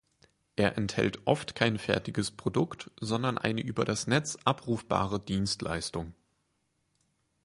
Er erhält oft kein fertiges Produkt, sondern eine über das Netz abrufbare Dienstleistung.